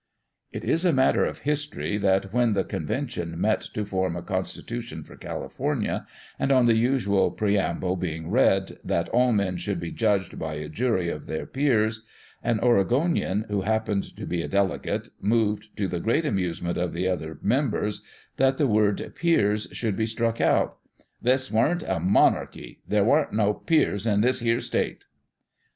It is a matter of history that when the con vention met to form a constitution for California, and on the usual preamble being read, "that all men should be judged by a jury of their peers," an Oregonian, who happened to be a delegate, moved, to the great amusement of the other members, that the word " peers" should be struck out :" This warn't a monarchy — there warn't no peers in this here state